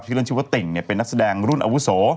เล่นชื่อว่าติ่งเป็นนักแสดงรุ่นอาวุโส